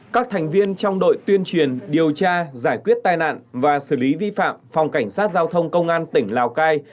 các thành viên trong đội tuyên truyền điều tra giải quyết tai nạn và xử lý vi phạm phòng cảnh sát giao thông công an tỉnh lào cai